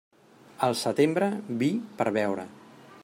Al setembre, vi per beure.